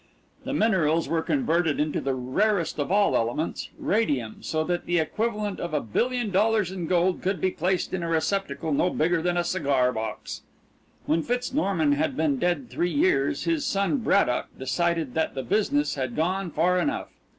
The minerals were converted into the rarest of all elements radium so that the equivalent of a billion dollars in gold could be placed in a receptacle no bigger than a cigar box. When Fitz Norman had been dead three years his son, Braddock, decided that the business had gone far enough.